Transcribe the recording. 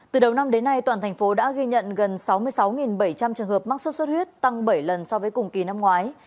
từ đầu năm đến nay toàn thành phố đã ghi nhận gần sáu mươi sáu bảy trăm linh trường hợp mắc sốt xuất huyết tăng bảy lần so với cùng kỳ năm ngoái